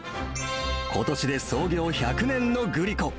ことしで創業１００年のグリコ。